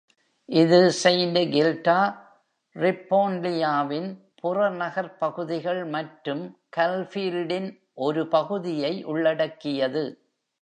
இது Saint Kilda, ரிப்போன்லியாவின் புறநகர்ப் பகுதிகள் மற்றும் கல்பீல்டின் ஒரு பகுதியை உள்ளடக்கியது.